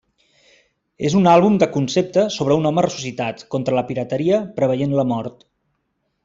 És un àlbum de concepte sobre un home ressuscitat, contra la pirateria, preveient la mort.